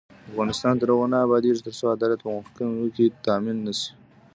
افغانستان تر هغو نه ابادیږي، ترڅو عدالت په محکمو کې تامین نشي.